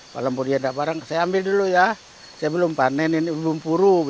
walaupun dia enggak barang saya ambil dulu ya saya belum panen ini bumi bumi puru